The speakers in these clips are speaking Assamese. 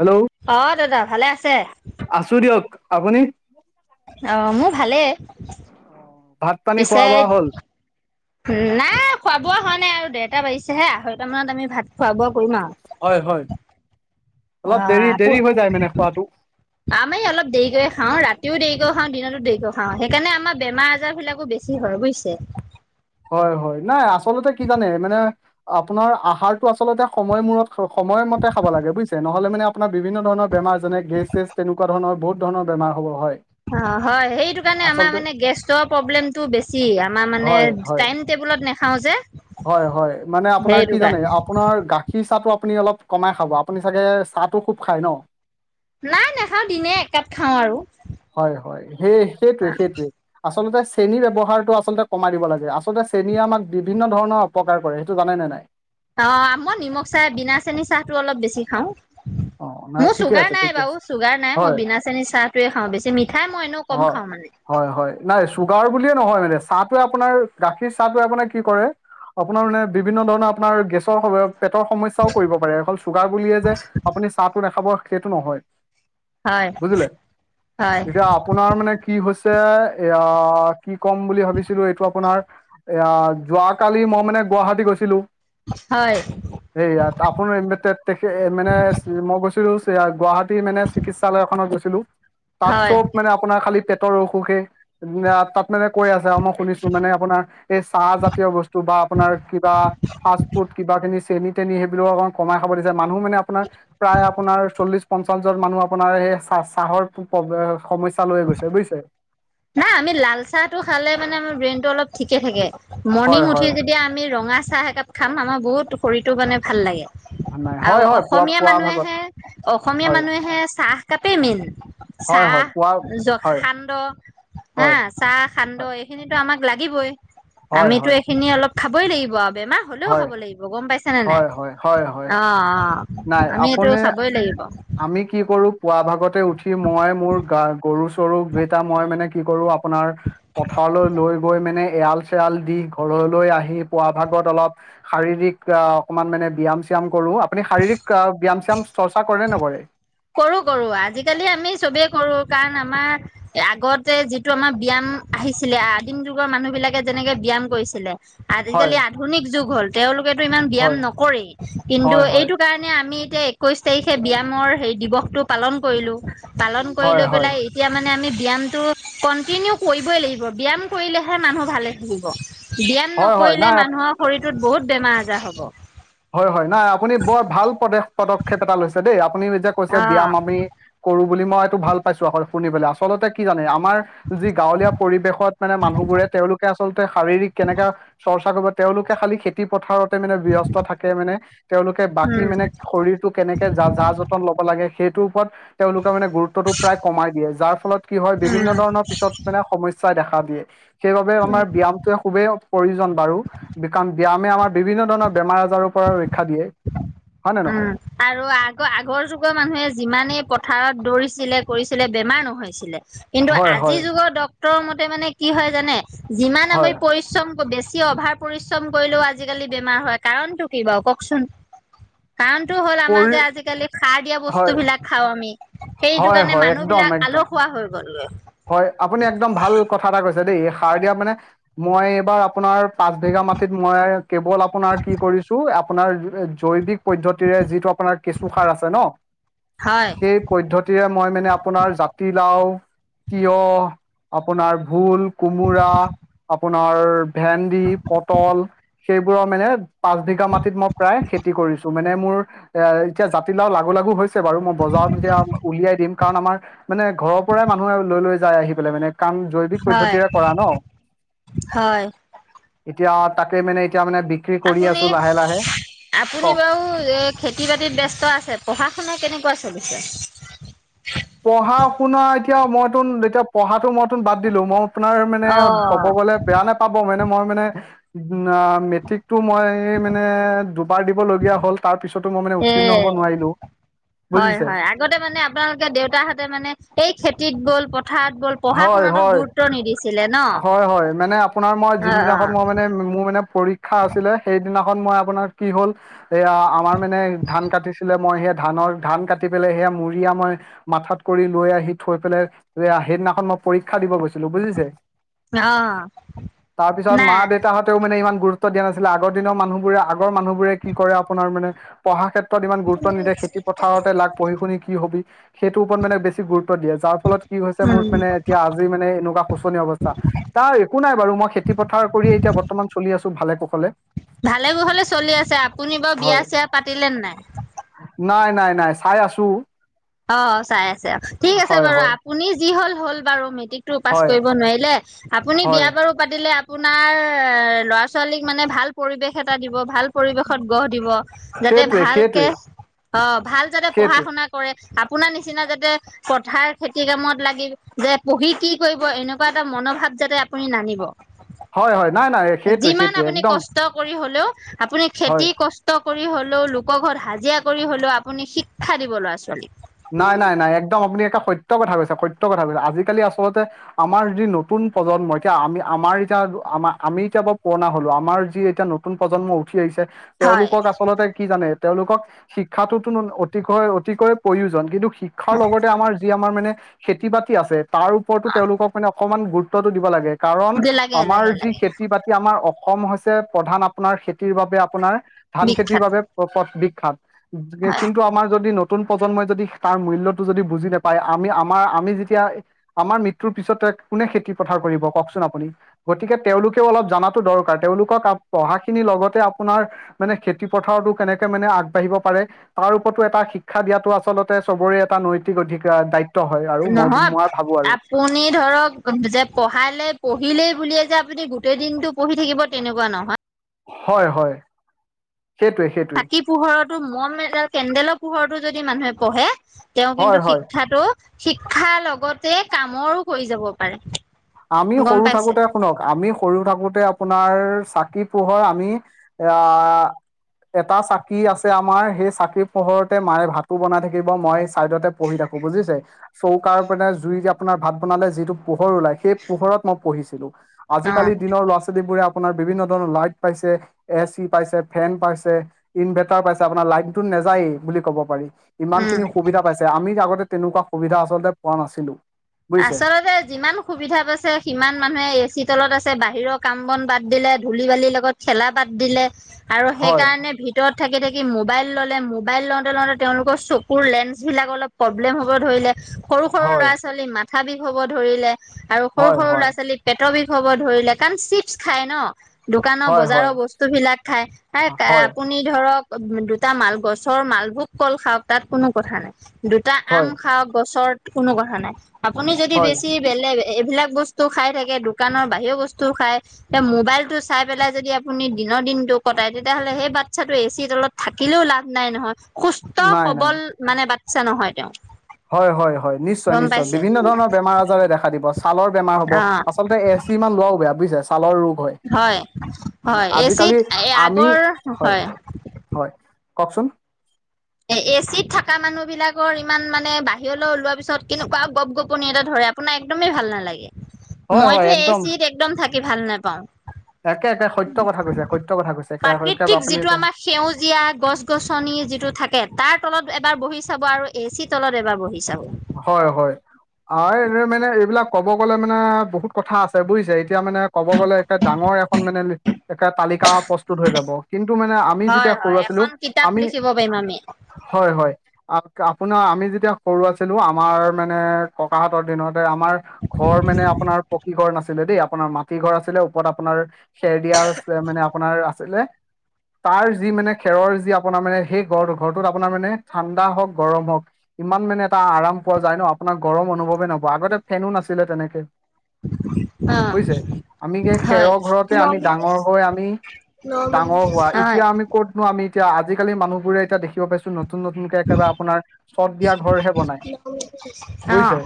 হেল্ল। অ দাদা ভালে আছে? আছো দিয়ক, আপুনি? অ মোৰ ভালেই। ভাত পানী খোৱা পিছে বোৱা হ'ল নাই খোৱা-বোৱা হোৱা নাই আৰু, দেৰটা বাজিছেহে আঢ়ৈটা মানত আমি ভাত খোৱা বোৱা কৰিম আৰু। হয় হয় অ অলপ দেৰি আপো দেৰি হৈ যায় মানে খোৱাটো। আমি অল দেৰিকে খাওঁ, ৰাতিও দেৰিকৈ খাওঁ দিনতো দেৰিকৈ খাওঁ। সেইকাৰণে আমাৰ বেমাৰ আজাৰ বিলাকো বেছি হয় বুজিছে। হয় হয় নাই আচলতে কি জানে মানে আপোনাৰ আহাৰতটো আচলতে সময় মূৰত সময়মতে খাব লাগে বুজিছে, নহ'লে মানে আপোনাৰ বিভিন্ন ধৰণ বেমাৰ যেনে গেছ- তেচ তেনেকুৱ ধণৰ বহুত ধৰণৰ বেমাৰ হ'ব হয়। অ হয় সেইটো কাৰণে আমাৰ আচলতে মানে গেৰ প্ৰব্লেমটো বেছি। আমাৰ মানে হয় হয় টেবুলত নাখাও যে। হয় হয় মানে আপোনাৰ সেইটো কি জানে, কাৰণে আপোনাৰ গা সি চাহটো আপুনি অলপ কমাই খাব। আপুনি চাগে চাহটো খুব খায় ন? নাই নাখাওঁ, দিনে একাপ খাওঁ আৰু। হয় হয়, সেই সেইটোৱে সেইটোৱে। আচলতে চেনী ব্যৱহাৰটো আচলতে কমাই দিব লাগে, আচলতে চেনীয়ে আমাক ডিডি বিভিন্ন ধৰণৰ অপকাৰ কৰে সেইটো জানে নে নাই? অ' মই নিমখ চাহ, বিনা চেনী চাহটো অলপ বেছি খাওঁ। অ নাই মোৰ ঠিকে চুগাৰ আছে নাই ঠিকে বাৰু, আছে চুগাৰ নাই, মই হয় বিনা চেনীৰ চাহটোৱে খাওঁ বেছি, মিঠাই মই এনেও কম হয় খাওঁ মানে। হয় হয়, নাই চুগাৰ বুলিয়ে নহয় মানে চাহটোৱে আপোনাৰ গাখীৰ চাহটোৱে আপোনাৰ কি কৰে, আপোনাৰ মানে বিভিন্ন ধৰণৰ আপোনাৰ গেছৰ পেটৰ সমস্যাও কৰিব পাৰে, অকল চুগাৰ বুলিয়ে যে আপুনি চাহটো নাখাব সেইটো নহয়। হয় বুজিলে? হয় এতিয়া আপ আপোনাৰ মানে কি হৈছে, এয়া কি ক'ম বুলি ভাবিছিলো এইটো আপোনাৰ এয়া যোৱাকালি মই মানে গুৱাহাটী গৈছিলো হয়। সেই ইয়াত আপোনাৰ মানে মই গৈছিলোঁ গুৱাহাটী মানে চিকিৎসালয় এখনত গৈছিলোঁ তাত হয় চব মানে আপোনাৰ খালি পেটৰ অসুখে তাত মানে কৈ আছে আৰু মই শুনিছোঁ মানে আপোনাৰ এই চাহ জাত তিয় বস্তু বা আপোনাৰ কিবা ফাচফুড কিবাি চেনি টেনি সেইবোৰ কমাই খাব দিছে, মানুহ মানে আপোনাৰ প্ৰায় আপোনাৰ চল্লিশ পঞ্চাশজন মানুহ আপোনাৰ সেই চাহ চাহৰ প্ৰব্লে সমস্যা লৈ গৈছে বুজিছে? নাই আমি লাল চাহটো খালে মানে আমাৰ ব্ৰেইনটো অলপ ঠিকে থাকে, মৰ্নিং হয় উঠি হয় যদি আমি ৰঙা চাহ একাপ খাম, আমাৰ বহুত শৰীৰটো মানে ভাল লাগে। নাই আৰু হয় হয় পুৱা অসমীয়া পুৱা ভাগত মানুহেহে, অসমীয়া হয় মানুহেহে চাহ কাপেই মেইন। হয় হয় পুৱা চাহ হয় জখান্দ হয়। চাহ, সান্দহ এইখিনিতো আমাক লাগিবই, হয় হয় আমিতো হয় এইখিনি অলপ খাবই লাগিব আৰু বেমাৰ হ'লেও হয় খাব লাগিব গম পাইছে নে নাই? হয় হয় হয় হয় অ', নাই অ' আমি এইটো আপুনি চাবই লাগিব। আমি কি কৰো পুৱা ভাগতে উঠি মই, মোৰ গা গৰু তৰুম বেইটা মই মানে কি কৰো, আপোনাৰ পথাৰলৈ লৈ গৈ মানে এৰাল চেৰাল দি ঘৰলৈ আহি পুৱা ভাগত অলপ শাৰীৰিক আ, অকমান মানে ব্যয়াম চয়াম কৰোঁ, আপুনি শাৰীৰিক ব্যায়াম চাম চৰ্চা কৰে নকৰে? কৰোঁ, কৰোঁ, আজিকালি আমি চবেই কৰো কাৰণ আমাৰ আগতে যিটো আমাৰ ব্যায়াম আহিছিলে, আদিম যুগৰ মানুহবিলাকে যেনেকে ব্যায়াম কৰিছিলে হয় আজিকালি আধুনিক যুগ হ'ল তেওঁলোকেতো ইমান ব্যায়াম হয় নকৰেই কিন্তু হয় হয় এইটো কাৰ মানে আমি এতিয়া একৈশ তাৰিখে ব্যামৰ হেৰি দিৱসটো পালন কৰিলো, পালন কৰি হয় লৈ হয় পেলাই এতিয়া মানে আমি ব্যায়ামটো কন্টিনিউ কৰিবই লাগিব, ব্যয়ায়াম কৰিলেহে মানুহ ভালে থাকিব। ব্যায়াম হয় হয় নকৰিলে নাই মানুহৰ শৰীৰটোত বহুত বেমাৰ আজাৰ হ'ব। হয় হয়, নাই আপুনি বৰ ভাল পদ-পদক্ষেপ এটা লৈছে দেই, আপুনি যে কৈছে ব্যায়াম আমি কৰোঁ বুলি মই এইটো ভাল পাইছোঁ আকৌ শুনি পেলাই, আচলতে কি জানে আ আমাৰ যি গাঁৱলীয়া পৰিবেশত মানে মানুহবোৰে তেওঁলোকে আচলতে শাৰীৰিক কেনেকা চৰ্চা কৰিব তেওঁলোকে খালি খেতি পথাৰতে মানে ব্যস্ত থাকে মানে তেওঁলোকে বাকী উম মানে শৰীৰটো কেনেকে কে যা যতন ল'ব লাগে সেইটোৰ ওপৰত তেওঁলোকে মানে গুৰুত্বটো প্ৰায় কমাই দিয়ে যাৰ ফলত কি হয় বিভিন্ন উম ধৰণৰ পিছত মানে সমস্যাই দেখা দিয়ে, সেইবাবে আমাৰ ব্যামটো খুবেই প্ৰয়োজন বাৰু, বিকাম ব্যায়ামে আমাৰ বিভিন্ন ধৰণৰ বেমাৰ আজাৰৰপৰা ৰক্ষা দিয়ে। হয় নে নহয়? উম, আৰু আগ-আগৰ যুগৰ মানুহে যিমানেই পথাৰত দৌৰিছিলে কৰিছিলে বেমাৰ নহৈছিলে। কিন্তু হয় হয় আজিৰ যুগৰ ডক্তৰৰ মতে মানে কি হয় জানে, যিমান হয় আমি পৰি বেছি অভাৰ পৰিশ্ৰম কৰিলেও আজিকালি বেমাৰ হয় কাৰণতটো কি বাৰু কওকচোন? কাৰণটো হ'ল আমাৰ পৰি যে আজিকালি সাৰ দিয়া হয় বস্তু বিলাক খাও আমি। সেইটো হয় কাৰণে হয় মানুহ একদম বিলাক একদম আলসুৱা হৈ গ'ল। হয়, আপুনি একদম ভাল কথা এটা কৈছে দেই সাৰ দিয়া মানে, মই এইবাৰ আপোনাৰ পাঁচ বিঘা মাটিত মই কেৱল আপোনাৰ কি কৰিছো আপোনাৰ জৈৱিক পদ্ধতিৰে যিটো আপোনাৰ কেঁচু সাৰ আছে ন, হয় সেই পদ্ধতিৰে মই মানে আপোনাৰ জাতিলাও তিয়হ, আপোনাৰ ভোল কোমোৰা, আপোনাৰ ভেন্দি, পটল, সেইবোৰৰ মানে পাঁচবিঘা মাটিত মই প্ৰায় খেতি কৰিছো, মানে মানে মোৰ এ এতিয়া জাতিলাও লাগু লাগু হৈছে বাৰু, মই বজাৰত এতিয়া উলিয়াই দিম, কাৰণ আমাৰ মানে ঘৰ পৰাই মা যাই আহি পেলাই মানে কাম জৈৱিক হয় পদ্ধতিৰে কৰা ন। হয় এতিয়া তাকে মানে, এতিয়া মানে বি আপুনি, আপুনি কওক বাৰু খেতি বাতিত ব্যস্ত আছে, পঢ়া শুনা কেনেকুৱা চলিছে? পঢ়া শুনা, এতিয়া মইতোন এতিয়া পঢ়াটো মইতোন বাদ দিলো, মই আপোনাৰ মানে অ ক'ব গলে বেয়া নাপাব, মানে মই মানে উ মেট্ৰিকতটো মই মানে দুবাৰ দিবলগীয়া হ'ল। তাৰ পিছতো মই মানে এ উত্তীৰ্ণ হ'ব নোৱাৰিলো, হয় বুজিছে? হয় আগতে মানে আপোনালোকে দেউতাহঁতে মানে এই খেতিত গ'ল পথাৰত গল। পঢ়া হয় শুনাটোত হয়, গুৰুত্ব নিদিছিলে ন হয় হয় মানে আপোনাৰ মই অ যোনদিনাখন মই মানে মোৰ মানে পৰীক্ষা আছিলে সেইদিনাখন মই আপোনাৰ কি হ'ল সেয়া আমাৰ মানে ধান কাটিছিলে মই সেই ধানৰ ধান কাট পেলাই সেয়া মৰিয়া মই, মাথাত কৰি লৈ আহি থৈ পেলাই সেইদিনাখন মই পৰীক্ষা দিব গৈছিলো বুজিছে, অ অ তাৰপিছত মা নাই দেউতাহত তেওঁ মানে ইমান গুৰুত্ব দিয়া নাছিলে, আগৰ দিনৰ মানুহবোৰে আগৰ মানুহবোৰে কি কৰে আপোনাৰ মানে পঢ়া ক্ষেত্ৰত ইমান গুৰুত্ব নিদিয়ে, পথাৰতে লাগ পঢ়ি শুনি কি হবি সেইটোৰ ওপৰত মানে বেছি গুৰুত্ব দিয়ে, যাৰ ফলত কি হৈছে মোৰ উম মানে এতিয়া আজি মানে এনেকুৱা শোচনীয় অৱস্থা। তাৰ একো নাই বাৰু মই খেতি পথাৰ কৰিয়ে এতিয়া বৰ্তমান চলি আছো ভালে কুশলে। ভালে কুশলে চলি আছে, আপুনি বাৰু বিয়া হয় চিয়া পাতিলে নে নাই? নাই নাই নাই চাই আছো। অ' চাই আছে, ঠিক আছে হয় বাৰু, হয় আপুনি যি হল হল বাৰু মেট্ৰিক পাছ হয় কৰিব নোৱাৰিলে, আপুনি হয় বিয়া বাৰু পাতিলে, আপোনাৰ লৰা ছোৱালীক মানে ভাল পৰিৱেশ এটা দিব, ভাল পৰিৱেশত গঢ় দিব, যাতে সেইটোৱে ভালকে সেইটোৱে অ' ভাল যাতে পঢ়া সেইটোৱে শুনা কৰে আপোনাৰ নিচিনা যাত পথাৰ খেতি কামত লাগি, যে পঢ়ি কি কৰিব এনেকুৱা এটা মনোভাৱ যাতে আপুনি নানিব। হয় হয়, নাই নাই সেইটোৱে যিমান সেইটোৱে আপুনি একদম কষ্ট কৰি হলেও আপুনি হয় খেতি কষ্ট কৰি হ'লেও লোকৰ ঘৰত হাজিৰা কৰি হ'লেও আপুনি শিক্ষা দিব ল'ৰা ছোৱালীক। নাই নাই নাই একদম আপুনি এটা সত্্য কথা কৈছে, সত্য কথা কৈছে, আজিকালি আচলতে আমাৰ যি নতুন প্ৰজন্ম, এতিয়া আমি আমাৰ এতিয়া আমাৰ, আমি এতিয়া বু পুৰণা হলো আমাৰ যি এতিয়া ন নতুন প্ৰজন্ম উঠি আহিছে। হয় তেওঁলোকক আচলতে কি জানে তেওঁলোকক শিক্ষাটোতো অতিকয়, অতিকয় প্ৰয়োজন কিন্তু শিক্ষাৰ লগতে, আমাৰ যি আমাৰ মানে খেতি বাতি আছে, তাৰ ওপৰতো তেওঁলোকক মানে অকমান গুৰুত্ব টো দিব লাগে, কাৰণ যে লাগে আমাৰ লাগে যি লাগে খেতি বাতি আমাৰ অসম হৈছে প্ৰধান আপোনাৰ খেতিৰ বাবে, আপোনাৰ ধান খেতিৰ বিখ্যাত বাবে পথ বিখ্যাত, কিন্তু আমাৰ যদি নতুন প্ৰজন্মই যদি তাৰ মূল্য়তটো যদি বুজি নাপায়, আমি আমাৰ আমি যেতিয়া আমাৰ মৃত্যুৰ পিছতে কোনে খেতি পথাৰ কৰিব কওকচোন আপুনি। গতিকে তেওঁলোকেও অলপ জাতো দৰকাৰ। তেওঁলোকক পঢ়া খিনিৰ লগতে আপোনাৰ মানে খেতি পথাৰতো কেনেকে মানে আগবাঢ়িব পাৰে, তাৰ ওপৰতো এটা শিক্ষ শিক্ষা দিয়াতটো আচলতে চবৰে এটা নৈতিক অধিকাৰ দায়িত্ব হয় আৰু মই নহয় মই ভাবো আৰু। আপুনি ধৰক যে পঢ়ালে পঢ়িলেই বুলিয়ে যে, আপুনি গোটেই দিনতটো পঢ়ি থাকিব তেনেকুৱা নহয়। হয়-হয়, সেইটোৱে-সেইটোৱে। চাকী পোহৰতো মম এডাল কেন্দেলৰ পোহৰতটো যদি মানুহে পঢ়ে। তেওঁ হয় কিন্তু হয় শিক্ষাটো শিক্ষা লগতে কামৰো কৰি যাব পাৰে। আমি গম সৰু পাইছে থাকোতে শুনক আমি কৰিও থাকোতে আপোনাৰ চাকি পোহৰ আমি আ, এটা চাকি আছে আমাৰ সেই চাকি পোহৰতে মায় ভাতো বনাই থাকিব, মই চাইডতে পঢ়ি থাকো বুজিছে চৌকাৰ মানে জুই দি আপোনাৰ ভাত বনালে যিটো পোহৰ ওলাই। সেই পোহৰত মই পঢ়িছিলো, অ আজিকালি দিনৰ ল'ৰা ছোৱালীবোৰে আপোনাৰ বিভিন্ন ধৰণৰ লাইট পাইছে, এ চি পাইছে, ফেন পাইছে। ইনভাৰ্টাৰ পাইছে আপোনাৰ লাইনটো নাযায়েই বুলি কব পাৰি। ইমান উম খিনি সুবিধা পাইছে আমি আগতে তেনেকুৱা সুবিধা আচলতে পোৱা নাছিলো। বুজিছে আচলতে যিমান সুবিধাত পাইছে সিমান মানুহে এ চি তলত আছে। বাহিৰৰ কাম বন বাদ দিলে ধূলি বালিৰ লগত খেলা বাদ দিলে আৰু হয় সেইকাৰণে ভ ভিতৰত থাকি-থাকি মোবাইল ল'লে, মোবাইল লওঁতে লওঁতে তেওঁলোকৰ চকুৰ লেন্সবিলাক অলপ প্ৰব্লেম হ'ব ধৰিলে। সৰু-সৰু হয় ল'ৰা ছোৱালী মাথা বিষ হ'ব ধৰিলে আৰু হয় সৰু-সৰু হয় ল'ৰা ছোৱালী পেটৰ বিষ হ'ব ধৰিলে, কাৰণ চিপছ খায় ন। দোকানৰ হয় হয় বজাৰৰ বস্তু বিলাক খাই হয় আপুনি ধৰক দুটা মাল গছৰ মালভোগ কল খাওক তাত কোনো কথা নাই। দুটা আম হয় খাওক গছত কোনো কথা নাই। আপুনি যদি হয় বেছি বেলেগ এইবিলাক বস্তু খাই থাকে, দোকানৰ বাহিৰৰে বস্তু খাই। এ মোবাইল টো চাই পেলাই যদি আপুনি দিনৰ দিনতটো কটাই তেতিয়াহ'লে সেই বাচ্ছাটো এচিৰ তলত, থাকিলেও লাভ নাই নহয়, সুস্থ নাই সবল মানে বাচ্ছা নহয় তেওঁ। হয়-হয়-হয় গম নিশ্চয়-নিশ্চয় পাইছে বিভিন্ন ধৰণৰ বেমাৰ আজাৰে দেখা দিব ছালৰ বেমাৰ হব। অ আচলতে এ এ চি ইমান লোৱাও বয়া বুজিছে ছালৰ ৰোগ হয়। হয়-হয় এ আজিকালি চিত আমি আগৰ হয়। হয়। কওকচোন? এ এ চিত থকা মানুহ বিলাকৰ ইমান মানে বাহিৰলে ওলোৱাৰ পিছত কেনেকুৱা গপ গপনি এটা ধৰে। আপোনাৰ একদমেই ভাল নালাগে হয় হয় মইতো একদম এ চিত একদম থাকি ভাল নাপাওঁ। একে-একে সত্যয় কথা কৈছে, সত্য কথা কৈছে এক প্ৰাকৃতিক আপুনি যিটো আমাৰ সেউজীয়া গছ গছনি যিটো থাকে। এটাৰ তলত এবাৰ বহি চাব আৰু এ চি তলত এবাৰ বহি চাব। হয়-হয়। অ, এই এনে মানে এইবিলাক কব গলে মানে বহুত কথা আছে বুজিছে এতিয়া মানে। ক'ব গ'লে একে ডাঙৰ এখন মানে একে তালিকা প্ৰস্তুত হৈ যাব কিন্তু মানে আমি যেতিয়া হয়-হয় এখন কিতাপ লিখিব পাৰিম আমি। হয়-হয় আপোনাৰ আমি যেতিয়া সৰু আছিলো, আমাৰ মানে ককাহঁৰ দিনতে আমাৰ ঘৰ মানে আপোনাৰ পকী ঘৰ নাছিলে দেই, আপোনাৰ মাত তি ঘৰ আছিলে ওপৰত আপোনাৰ খেৰ দিয়া আছিলে মানে আপোনাৰ আছিলে। তাৰ যি মানে খেৰৰ যি আপোনাৰ মানে সেই ঘৰ ঘৰটোত আপোনাৰ মানে ঠাণ্ডা হওক, গৰম হওক, ইমান মানে এটা আৰাম পোৱা যায় ন আপোনাৰ গৰম অনুভৱেই নহব আগতে ফেনো নাছিলে তেনেকে। অ বুজিছে আমি যে হয় খেৰৰ ঘৰতে ন আমি মিনিট ডাঙৰ হৈ আমি হয় ন ডাঙৰ হোৱা। এতিয়া আমি ক'তনো আমি এতিয়া আজিকালি মানুহবোৰে এতিয়া দেখিব পাইছো নতুন- নতুক কে একেবাৰে আপাৰ চট দিয়া ঘৰ হে, মিনিট অ বুজছে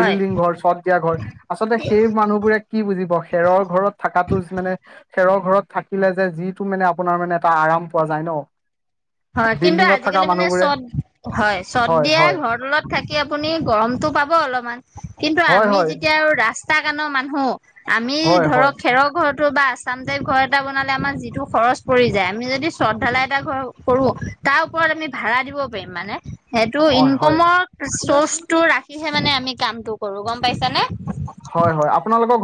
হয় ঘৰ চত দিয়া ঘৰ, আচলতে সেই মানুহবোৰে কি বুজিব? খেৰৰ ঘৰত থাকাটো মানে খেৰৰ ঘৰত থাকিলে যে, যিটো মানে, আপোনাৰ মানে, এটা আৰাম পোৱা যায়, ন'! হয়! কিন্তু, বিল্ডিঙত থকা আজিকালি মানে, মানুহবোৰে চট, হয়! চট দিয়া, ঘৰ তলত থাকি আপুনি, গৰমটো পাব অলপমান। কিন্তু, হয় আমি হয় যেতিয়া আৰু ৰাস্তা কানৰ মানুহ। আমি, হয় ধৰক খেৰৰ ঘৰত বা আচাম টাইপ ঘৰ এটা বনালে, আমাৰ যিটো খৰচ পৰি যায়, আমি যদি, চট ঢালাই এটা ঘৰ কৰোঁ। তাৰ ওপৰত, আমি ভাড়া দিব পাৰিম, মানে। সেইটো, হয় হয় ইনকমৰ চৰ্চটো ৰাখিহে মানে, আমি কামটো কৰোঁ। গম পাইছে নে? হয়, হয়। আপোনালোকৰ ঘ